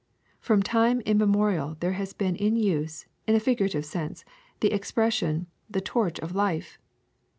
From time immemorial there has been in use, in a figura tive sense, the expression, 'the torch of life.